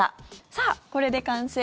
さあ、これで完成。